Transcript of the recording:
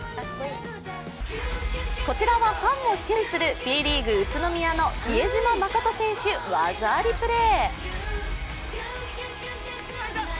こちらはファンもキュンするＢリーグ・宇都宮の比江島慎選手技ありプレー。